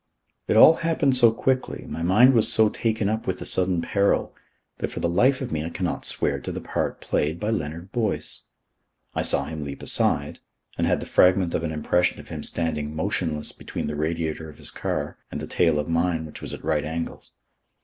It all happened so quickly, my mind was so taken up with the sudden peril, that for the life of me I cannot swear to the part played by Leonard Boyce. I saw him leap aside, and had the fragment of an impression of him standing motionless between the radiator of his car and the tail of mine which was at right angles.